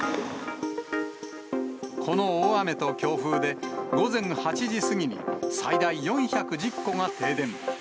この大雨と強風で、午前８時過ぎに最大４１０戸が停電。